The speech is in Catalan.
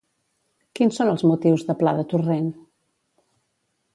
Quins són els motius de pla de Torrent?